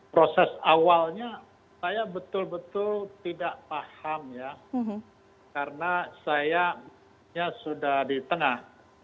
proses awalnya saya betul betul tidak paham ya karena saya sudah di tengah